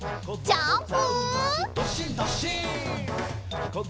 ジャンプ！